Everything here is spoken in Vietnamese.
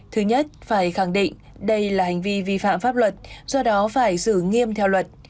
thứ nhất phải khẳng định đây là hành vi vi phạm pháp luật do đó phải xử nghiêm theo luật